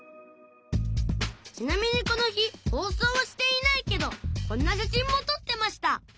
ちなみにこの日放送をしていないけどこんな写真も撮ってました